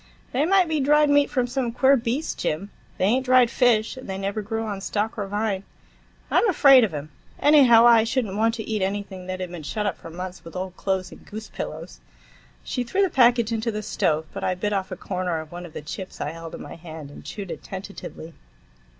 "They might be dried meat from some queer beast, Jim. They ain't dried fish, and they never grew on stalk or vine. I'm afraid of 'em. Anyhow, I should n't want to eat anything that had been shut up for months with old clothes and goose pillows." She threw the package into the stove, but I bit off a corner of one of the chips I held in my hand, and chewed it tentatively.